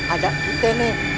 ajak kita neng